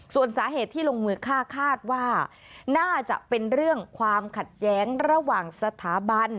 ส่วนสาเหตุที่ลงมือฆ่าคาดว่าน่าจะเป็นเรื่องความขัดแย้งระหว่างสถาบัน